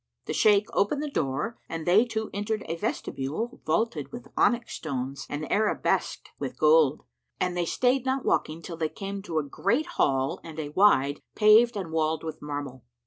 The Shaykh opened the door and they two entered a vestibule vaulted with onyx stones and arabesqued with gold, and they stayed not walking till they came to a great hall and a wide, paved and walled with marble.